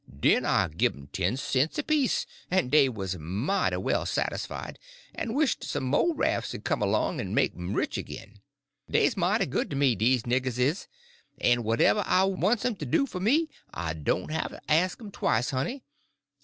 Den I gin 'm ten cents apiece, en dey 'uz mighty well satisfied, en wisht some mo' raf's 'ud come along en make 'm rich agin. Dey's mighty good to me, dese niggers is, en whatever I wants 'm to do fur me I doan' have to ast 'm twice, honey.